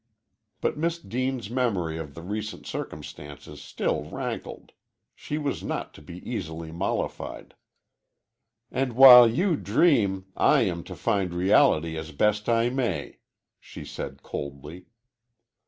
But Miss Deane's memory of the recent circumstances still rankled. She was not to be easily mollified. "And while you dream, I am to find my reality as best I may," she said coldly.